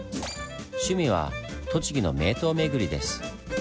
趣味は栃木の名湯巡りです。